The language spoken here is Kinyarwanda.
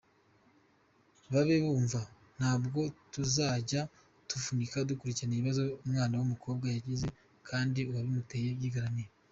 Babe bumva, ntabwo tuzajya tuvunika dukurikirana ibibazo umwana w’umukobwa yagize kandi uwabimuteye yigaramiye.